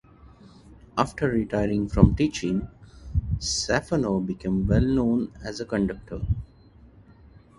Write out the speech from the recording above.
After retiring from teaching, Safonov became well known as a conductor.